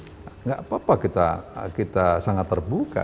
jadi tidak apa apa kita sangat terbuka